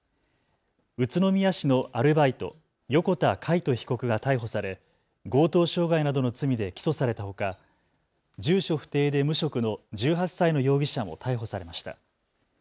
宇都宮市のアルバイト、横田魁人被告が逮捕され強盗傷害などの罪で起訴されたほか、住所不定で無職の１８歳の容疑者も逮捕されました。